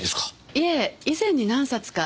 いえ以前に何冊か。